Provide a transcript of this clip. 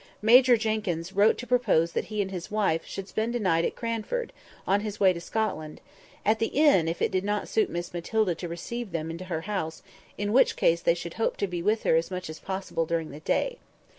Major Jenkyns wrote to propose that he and his wife should spend a night at Cranford, on his way to Scotland—at the inn, if it did not suit Miss Matilda to receive them into her house; in which case they should hope to be with her as much as possible during the day.